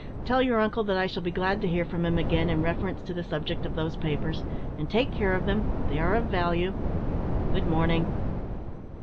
"Tell your uncle that I shall be glad to hear from him again in reference to the subject of those papers; and take care of them they are of value. Good morning!"